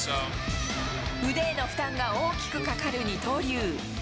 腕への負担が大きくかかる二刀流。